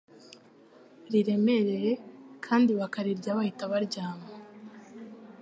riremereye, kandi bakarirya bahita baryama.